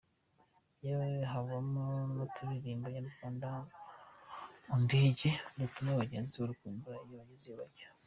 Yewe habamo n’uturirimbo nyarwanda mu ndege dutuma abagenzi barukumbura iyo bageze iyo bajya.